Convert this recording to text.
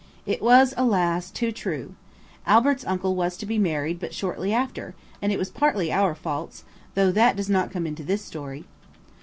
It was, alas! too true. Albert's uncle was to be married but shortly after, and it was partly our faults, though that does not come into this story.